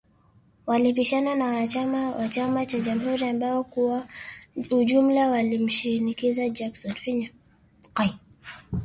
Walipishana na wanachama wa chama cha Jamhuri ambao kwa ujumla walimshinikiza Jackson